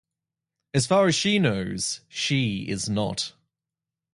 As far as she knows, she is not.